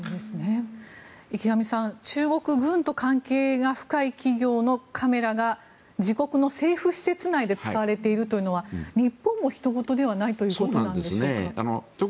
池上さん、中国軍と関係が深い企業のカメラが自国の政府施設内で使われているというのは日本もひと事ではないということなんでしょうか。